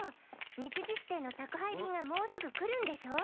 日時指定の宅配便がもうすぐ来るんでしょ？